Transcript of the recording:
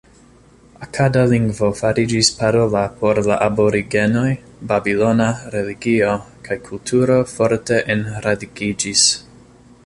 Akada lingvo fariĝis parola por la aborigenoj, babilona religio kaj kulturo forte enradikiĝis.